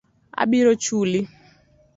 Abiro chuli.